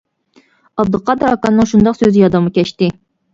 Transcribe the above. ئابدۇقادىر ئاكامنىڭ شۇنداق سۆزى يادىمغا كەچتى.